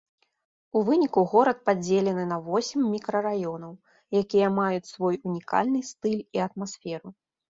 У выніку горад падзелены на восем мікрараёнаў, якія маюць свой унікальны стыль і атмасферу.